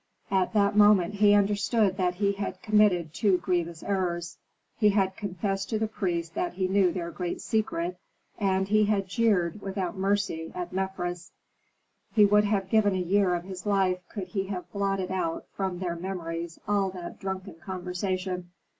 At that moment he understood that he had committed two grievous errors: He had confessed to the priests that he knew their great secret, and he had jeered, without mercy, at Mefres. He would have given a year of his life could he have blotted from their memories all that drunken conversation.